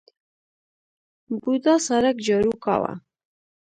بوډا سرک جارو کاوه.